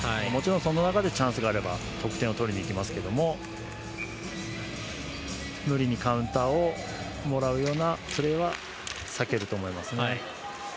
もちろんその中でチャンスがあれば得点を取りにいきますが無理にカウンターをもらうようなプレーは避けると思いますね。